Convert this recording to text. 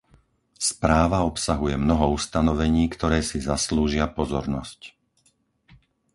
Správa obsahuje mnoho ustanovení, ktoré si zaslúžia pozornosť.